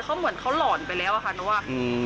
เขาเหมือนเขาหลอนไปแล้วอะค่ะหนูว่า